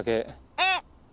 えっ！